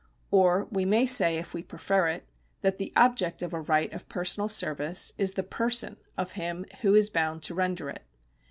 Or we may say, if we prefer it, that the object of a right of personal service is the person of him who is bound to render it.